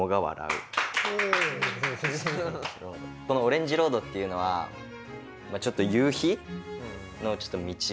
この「オレンジロード」っていうのはちょっと夕日の道。